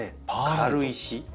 軽石。